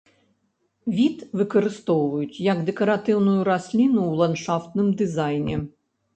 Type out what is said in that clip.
Від выкарыстоўваюць як дэкаратыўную расліну ў ландшафтным дызайне.